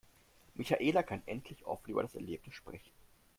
Michaela kann endlich offen über das Erlebte sprechen.